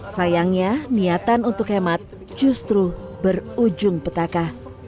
sayangnya niatan untuk hemat justru berujung petaka